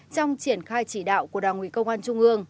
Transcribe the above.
trong triển khai chỉ đạo của đảng ủy công an trung ương